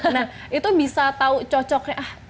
nah itu bisa tahu cocoknya